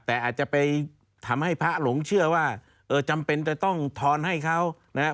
แต่อาจจะไปทำให้พระหลงเชื่อว่าจำเป็นจะต้องทอนให้เขานะครับ